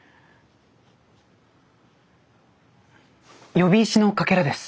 喚姫石のかけらです。